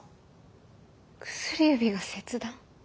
薬指が切断？